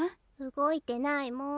動いてないもん。